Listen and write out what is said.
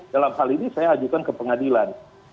dalam hal ini saya ajukan ke pengadilan